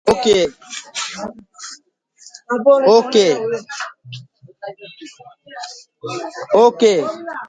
The note played determines the key in which the song will be performed.